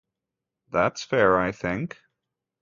That's fair, I think.